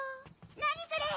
何それ！